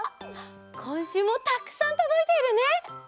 こんしゅうもたくさんとどいているね！